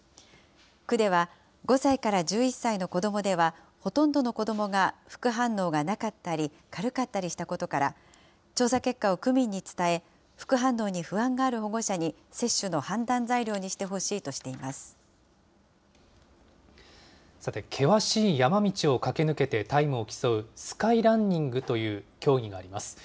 区では５歳から１１歳の子どもでは、ほとんどの子どもが副反応がなかったり、軽かったりしたことから、調査結果を区民に伝え、副反応に不安がある保護者に、接種の判断材料にしてほしいとしてさて、険しい山道を駆け抜けてタイムを競う、スカイランニングという競技があります。